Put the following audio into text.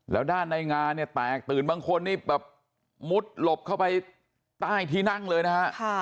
แล้วด้านในงานเนี่ยแตกตื่นบางคนนี่แบบมุดหลบเข้าไปใต้ที่นั่งเลยนะฮะ